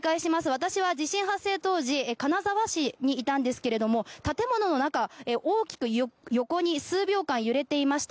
私は地震発生当時金沢市にいたんですが建物の中、大きく横に数秒間、揺れていました。